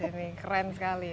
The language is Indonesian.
ini keren sekali ini